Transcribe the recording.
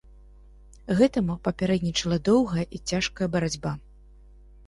Гэтаму папярэднічала доўгая і цяжкая барацьба.